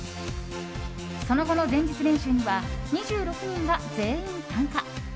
その後の前日練習には２６人が全員参加。